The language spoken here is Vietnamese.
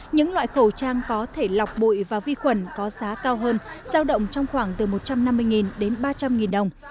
những loại khẩu trang có thể lọc bụi và vi khuẩn có giá cao hơn giao động trong khoảng từ một trăm năm mươi đến ba trăm linh đồng